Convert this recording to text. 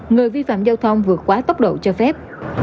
người vi phạm giao thông vượt quá tốc độ cho phép